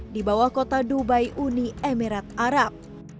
di bawah kota dubai uni emirat arab